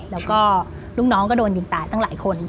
แล้วก็ลูกน้องก็โดนยิงตายตั้งหลายคน